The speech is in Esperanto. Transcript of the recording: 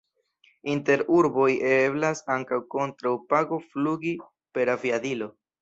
Inter urboj eblas ankaŭ kontraŭ pago flugi per aviadilo.